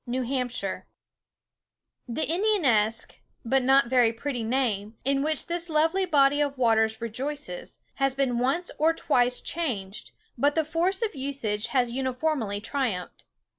The Indianesque, but not very pretty name, in which this lovely body of waters rejoices, has been once or twice changed, but the force of usage has uniformly triumphed.